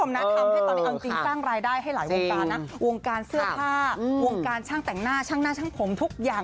มีถ่ายทำโฟโต้อัลบั้มไปดูกันเลยค่ะ